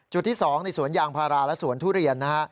ที่๒ในสวนยางพาราและสวนทุเรียนนะฮะ